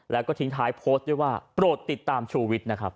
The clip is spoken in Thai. และก็ทิ้งท้ายโพสต์ด้วยว่าโปรดติดตามชูวิต